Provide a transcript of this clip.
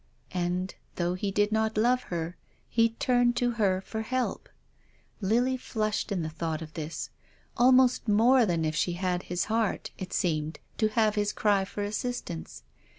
And, though he did not love her, he turned to her for help. Lily flushed in the thought of this. Almost more than if she had his heart it seemed to have his cry for assistance.